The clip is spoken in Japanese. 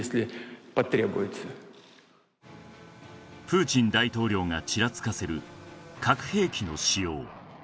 プーチン大統領がちらつかせる核兵器の使用